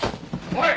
おい！